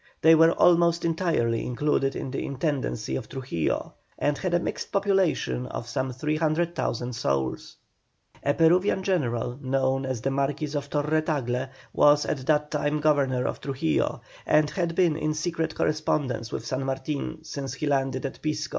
They were almost entirely included in the Intendency of Trujillo, and had a mixed population of some 300,000 souls. A Peruvian general, known as the Marquis of Torre Tagle, was at that time Governor of Trujillo, and had been in secret correspondence with San Martin since he landed at Pisco.